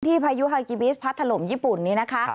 พายุฮากิบิสพัดถล่มญี่ปุ่นนี้นะคะ